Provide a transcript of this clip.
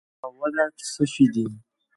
او ولټ څه شي دي